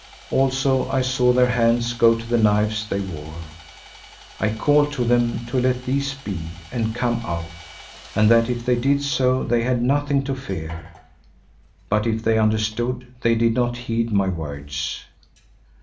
Also I saw their hands go to the knives they wore. I called to them to let these be and come out, and that if they did so they had nothing to fear. But if they understood, they did not heed my words.